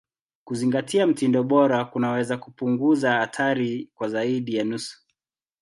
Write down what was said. Kuzingatia mtindo bora kunaweza kupunguza hatari kwa zaidi ya nusu.